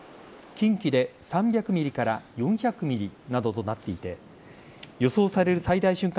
近畿で３００ｍｍから４００ｍｍなどとなっていて予想される最大瞬間